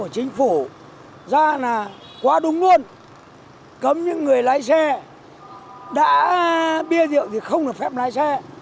các người lái xe đã bia rượu thì không được phép lái xe